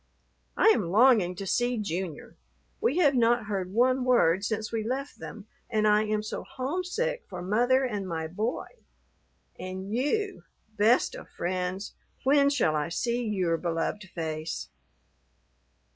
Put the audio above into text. I am longing to see Junior. We have not heard one word since we left them, and I am so homesick for mother and my boy. And you, best of friends, when shall I see your beloved face?